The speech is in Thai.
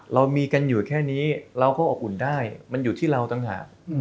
เรามีกันอยู่แค่นี้เราก็อบอุ่นได้มันอยู่ที่เราต่างหาก